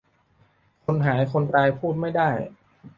คนหายคนตายพูดไม่ได้